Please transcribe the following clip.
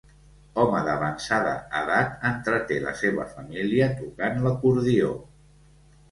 Home d'avançada edat entreté la seva família tocant l'acordió